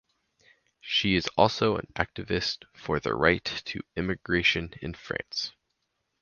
She is also an activist for the right to immigration in France.